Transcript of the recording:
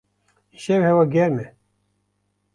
Îşev hewa germ e.